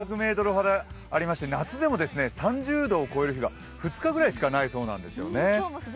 こちら標高が１３００ｍほどありまして夏でも３０度を超える日が２日ぐらいしかないそうです。